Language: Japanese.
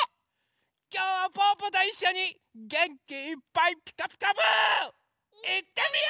きょうはぽぅぽといっしょにげんきいっぱい「ピカピカブ！」いってみよ！